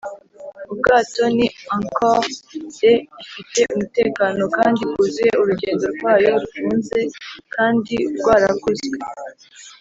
ubwato ni ankor'd ifite umutekano kandi bwuzuye, urugendo rwayo rufunze kandi rwarakozwe,